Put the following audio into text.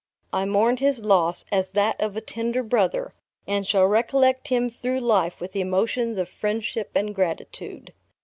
I mourned his loss as that of a tender brother, and shall recollect him through life with emotions of friendship and gratitude.